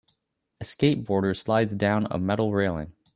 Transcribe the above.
A skateboarder slides down a metal railing